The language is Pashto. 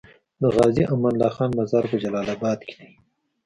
د غازي امان الله خان مزار په جلال اباد کی دی